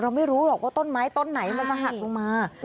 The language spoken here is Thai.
ไม่รู้หรอกว่าต้นไม้ต้นไหนมันจะหักลงมา